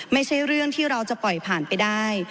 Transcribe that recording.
ไม่ใช่เรื่องที่เราจะปล่อยผ่านไปได้